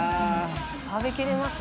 食べきれます？